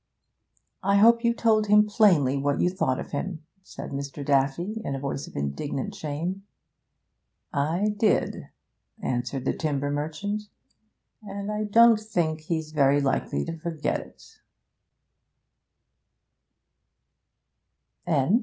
'I hope you told him plainly what you thought of him,' said Mr. Daffy, in a voice of indignant shame. 'I did,' answered the timber merchant, 'and I don't think he's very likely to forget it.'